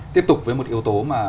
tiếp tục với một yếu tố mà